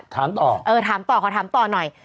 ถามต่อเออถามต่อขอถามต่อหน่อย